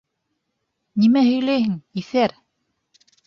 Нимә һөйләйһең, иҫәр?